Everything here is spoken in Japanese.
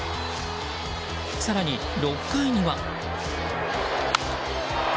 更に６回には。